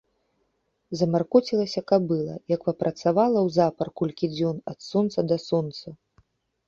Замаркоцілася кабыла, як папрацавала ўзапар колькі дзён ад сонца да сонца.